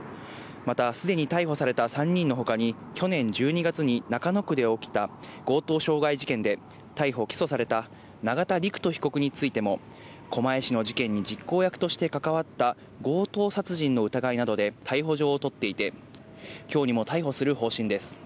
またすでに逮捕された３人のほかに、去年１２月に中野区で起きた強盗傷害事件で、逮捕・起訴された永田陸人被告についても、狛江市の事件に実行役としてかかわった、強盗殺人の疑いなどで逮捕状を取っていて、きょうにも逮捕する方針です。